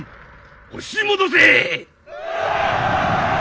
押し戻せ！